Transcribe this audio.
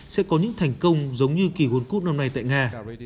sẽ có những thành công giống như kỳ world cup năm nay tại nga